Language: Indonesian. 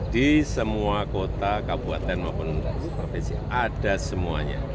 di semua kota kabupaten maupun provinsi ada semuanya